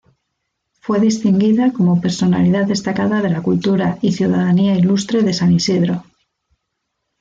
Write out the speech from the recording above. Fue distinguida como personalidad destacada de la cultura y ciudadanía ilustre de San Isidro.